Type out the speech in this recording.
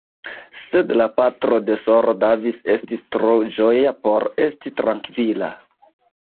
Sed la patro de S-ro Davis estis tro ĝoja por esti trankvila.